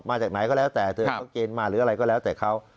มาจากไหนก็แล้วแต่เธอก็เกณฑ์มาหรืออะไรก็แล้วแต่เขา